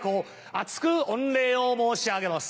厚く御礼を申し上げます。